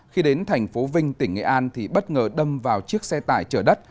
khi đến thành phố vinh tỉnh nghệ an bất ngờ đâm vào chiếc xe tải trở đất